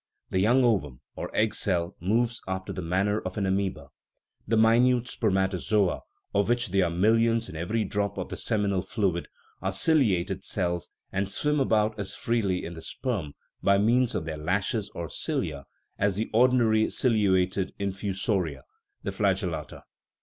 The young ovum, or egg cell, moves after the manner of an amoeba; the minute spermatozoa, of which there are millions in every drop of the seminal fluid, are ciliated cells, and swim about as freely in the sperm, by means of their lashes or cilia, as the ordinary ciliated infuso ria (the flagellata).